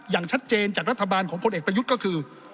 อย่างชัดเจนจากรัฐบาลของพลเอกประยุทธ์ก็คือ